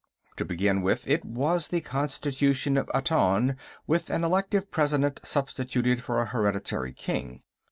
"To begin with, it was the constitution of Aton, with an elective president substituted for a hereditary king.